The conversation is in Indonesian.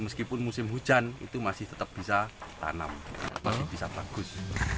meskipun musim hujan itu masih tetap bisa tanam masih bisa bagus